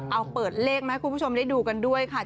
เอาเปิดเลขมาให้คุณผู้ชมได้ดูกันด้วยค่ะ